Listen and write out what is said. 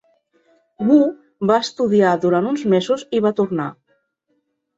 Wu va estudiar durant uns mesos i va tornar.